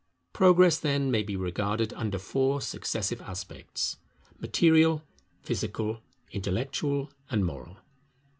Progress, then, may be regarded under four successive aspects: Material, Physical, Intellectual, and Moral.